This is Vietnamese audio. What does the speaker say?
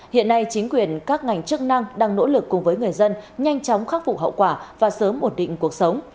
hiện nay chính quyền các ngành chức năng đang nỗ lực cùng với người dân nhanh chóng khắc phục hậu quả và sớm ổn định cuộc sống